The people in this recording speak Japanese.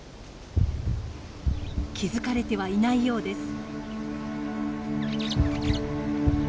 気付かれてはいないようです。